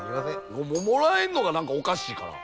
もももらえるのが何かおかしいから。